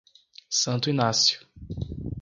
Santo Inácio